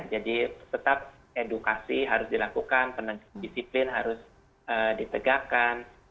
jadi tetap edukasi harus dilakukan peneliti disiplin harus ditegakkan